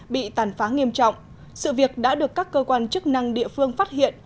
bị tàn phá nghiêm trọng sự việc đã được các cơ quan chức năng địa phương phát hiện